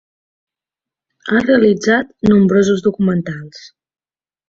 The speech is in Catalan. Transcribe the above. Ha realitzat nombrosos documentals.